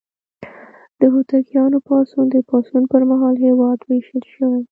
د هوتکیانو پاڅون: د پاڅون پر مهال هېواد ویشل شوی و.